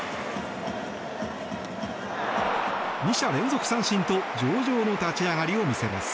２者連続三振と上々の立ち上がりを見せます。